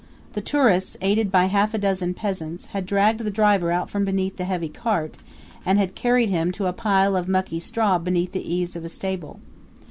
The tourists, aided by half a dozen peasants, had dragged the driver out from beneath the heavy cart and had carried him to a pile of mucky straw beneath the eaves of a stable.